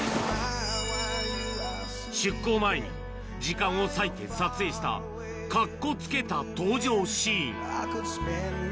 出港前に、時間を割いて撮影したかっこつけた登場シーン。